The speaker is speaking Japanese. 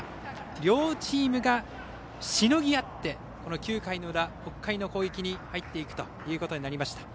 両チームが、しのぎ合って９回の裏、北海の攻撃に入っていくことになりました。